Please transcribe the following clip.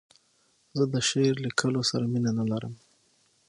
زه د شعر لیکلو سره مینه نه لرم.